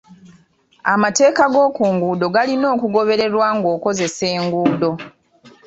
Amateeka g'oku nguudo galina okugobererwa ng'okozesa enguudo.